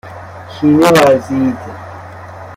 کینه ورزید